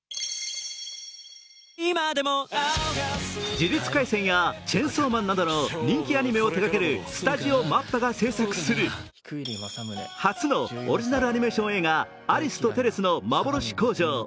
「呪術廻戦」や「チェンソーマン」などの人気アニメを手がけるスタジオＭＡＰＰＡが制作する初のオリジナルアニメーション映画「アリスとテレスのまぼろし工場」